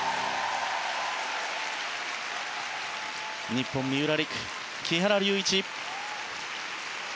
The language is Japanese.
日本、三浦璃来・木原龍一。